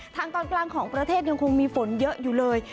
ทางตอนกลางของประเทศยังคงมีฝนเยอะอยู่เลย